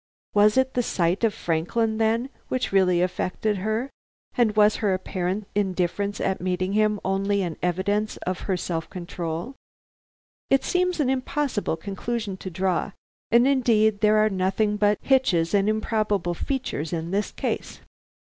Was it the sight of Franklin, then, which really affected her? and was her apparent indifference at meeting him only an evidence of her self control? It seems an impossible conclusion to draw, and indeed there are nothing but hitches and improbable features in this case.